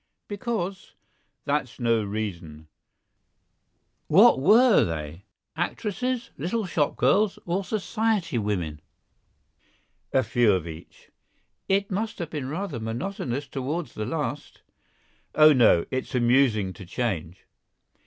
"Because——" "That's no reason!" "What were they actresses, little shop girls, or society women?" "A few of each." "It must have been rather monotonous toward the last." "Oh, no; it's amusing to change."